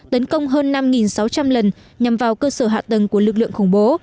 tấn công hơn năm sáu trăm linh lần nhằm vào cơ sở hạ tầng của lực lượng khủng bố